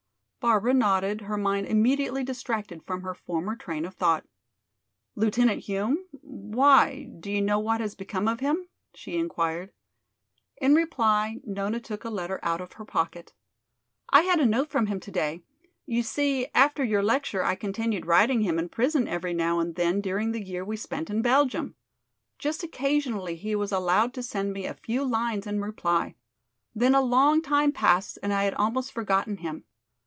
Barbara nodded, her mind immediately distracted from her former train of thought. "Lieutenant Hume? Why, do you know what has become of him?" she inquired. In reply Nona took a letter out of her pocket. "I had a note from him today. You see, after your lecture I continued writing him in prison every now and then during the year we spent in Belgium. Just occasionally he was allowed to send me a few lines in reply. Then a long time passed and I had almost forgotten him.